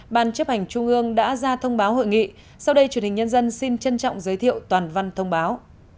ban chấp hành trung ương đã ra thông báo hội nghị sau đây truyền hình nhân dân xin trân trọng giới thiệu toàn văn thông báo